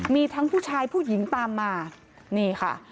มีทั้งผู้ชายผู้หญิงตามมานี่ค่ะ